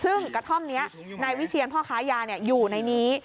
ซึ่งกระท่อมนี้นายวิเชียนพ่อค้ายาอยู่ในนี้